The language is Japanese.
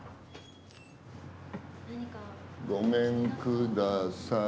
ごめんください。